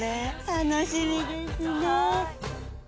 楽しみですね。